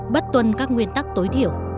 bất tuân các nguyên tắc tối thiểu